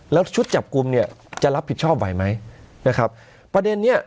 แล้วชุดจับกลุ่มเนี่ยจะรับผิดชอบไหวไหมนะครับประเด็นเนี้ย